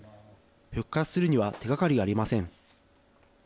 復活するには手がかりがありません。